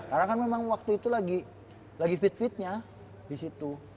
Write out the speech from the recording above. karena kan memang waktu itu lagi fit fitnya di situ